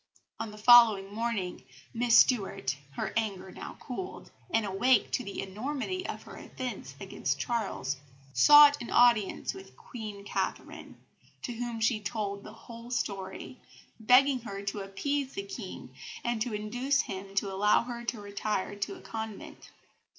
On the following morning Miss Stuart, her anger now cooled, and awake to the enormity of her offence against Charles, sought an audience with Queen Catherine, to whom she told the whole story, begging her to appease the King, and to induce him to allow her to retire to a convent.